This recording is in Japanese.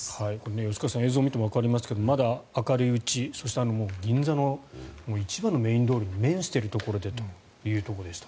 吉川さん映像を見てもわかりますがまだ明るいうち、そして銀座の一番のメイン通りに面しているところでということです。